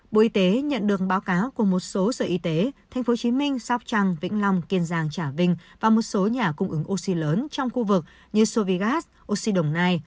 bộ y tế nhận được báo cáo của một số sở y tế tp hcm sop trang vĩnh long kiên giang trả vinh và một số nhà cung ứng oxy lớn trong khu vực như sovigaz oxy đồng nai